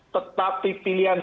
tetapi pilihan kebijaksanaan